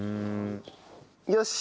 よし。